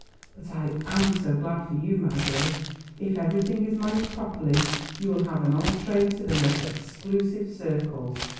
But I am so glad for you, my dear; if everything is managed properly you will have an entrée to the most exclusive circles."